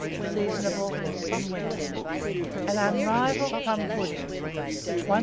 Seasonable in winter. AN UNRIVALLED PLUM PUDDING. 1326.